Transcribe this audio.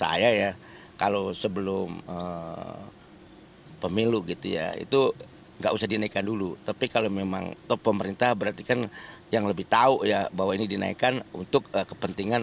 ini kalau memang untuk pemerintah berarti kan yang lebih tahu ya bahwa ini dinaikkan untuk kepentingan